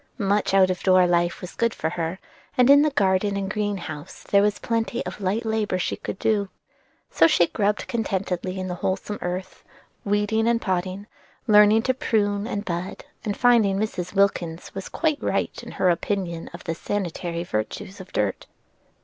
Much out of door life was good for her, and in garden and green house there was plenty of light labor she could do. So she grubbed contentedly in the wholesome earth, weeding and potting, learning to prune and bud, and finding Mrs. Wilkins was quite right in her opinion of the sanitary virtues of dirt.